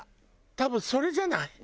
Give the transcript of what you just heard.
多分それじゃない？